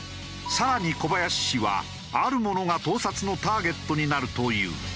更に小林氏はあるものが盗撮のターゲットになるという。